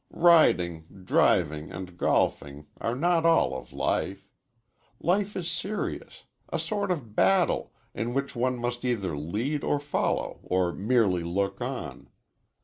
Riding, driving and golfing are not all of life. Life is serious a sort of battle, in which one must either lead or follow or merely look on.